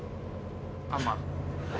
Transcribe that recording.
あんま？